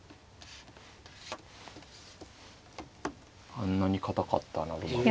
あんなに堅かった穴熊が。